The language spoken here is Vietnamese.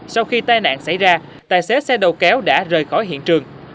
sau khi tai nạn xảy ra tài xế xe đầu kéo đã rời khỏi hiện trường